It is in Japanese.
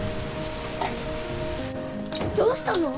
どうしたの？